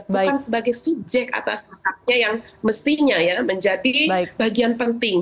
bukan sebagai subjek atas hak haknya yang mestinya ya menjadi bagian penting